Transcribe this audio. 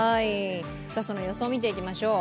その予想を見ていきましょう。